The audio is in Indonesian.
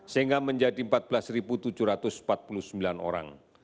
sehingga menjadi empat belas tujuh ratus empat puluh sembilan orang